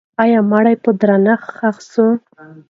آیا مړی یې په درنښت ښخ سو؟